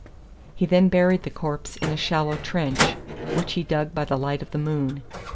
He then buried the corpse in a shallow trench, which he dug by the light of the moon.